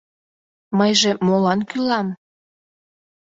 — Мыйже молан кӱлам?